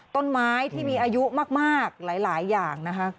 ต้นไม้ที่มีอายุมากหลายอย่างนะคะ